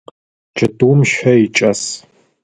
Чэтыум щэ икӏас.